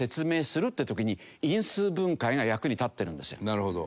なるほど。